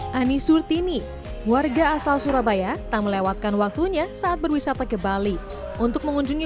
hai ani surtini warga asal surabaya tak melewatkan waktunya saat berwisata ke bali untuk mengunjungi